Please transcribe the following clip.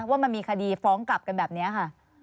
ว่ามันมีคดีฟ้องกลับกันแบบนี้ค่ะ